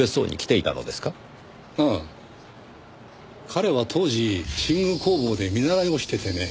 彼は当時新宮工房で見習いをしててね。